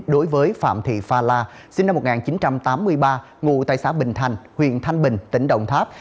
đối với phạm thị pha la sinh năm một nghìn chín trăm tám mươi ba ngụ tại xã bình thành huyện thanh bình tỉnh đồng tháp